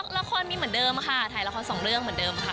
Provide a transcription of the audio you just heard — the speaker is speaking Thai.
ละครมีเหมือนเดิมค่ะถ่ายละครสองเรื่องเหมือนเดิมค่ะ